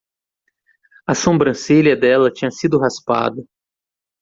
A sombrancelha dela tinha sido raspada